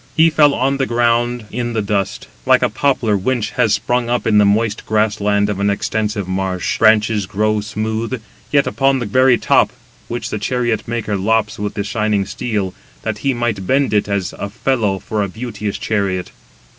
He fell on the ground in the dust, like a poplar, winch has sprung up in the moist grass land of an extensive marsh,—branches grow smooth, yet upon the very top, which the chariot maker lops with the shining steel, that he might bend [it as] a felloe for a beauteous chariot.